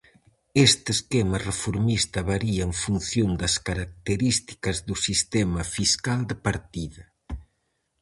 Este esquema reformista varía en función das características do sistema fiscal de partida.